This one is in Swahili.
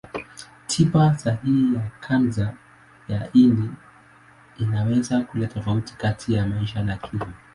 Tiba sahihi ya kansa ya ini inaweza kuleta tofauti kati ya maisha na kifo.